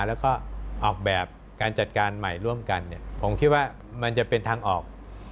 แล้วก็ออกแบบการจัดการใหม่ร่วมกันเนี่ยผมคิดว่ามันจะเป็นทางออก